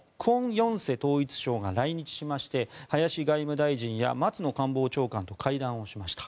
・ヨンセ統一相が来日しまして林外務大臣や松野官房長官と会談をしました。